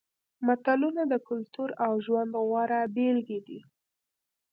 متلونه د کلتور او ژوند غوره بېلګې دي